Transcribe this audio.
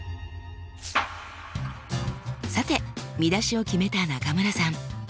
さて見出しを決めた中村さん。